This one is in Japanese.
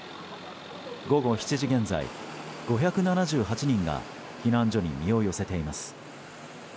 午後７時現在、５７８人が避難所に身を寄せています。